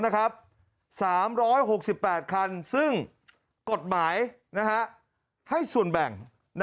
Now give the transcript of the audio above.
๓๖๘คันซึ่งกฎหมายให้ส่วนแบ่ง